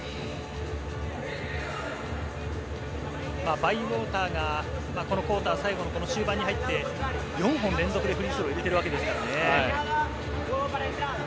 バイウォーターがこのクオーター、最後の終盤に入って４本連続でフリースローを入れているわけですからね。